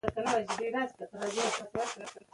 تل به پښتانه وي او تل به پښتو وي.